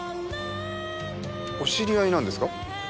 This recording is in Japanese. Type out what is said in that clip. お知り合いなんですか？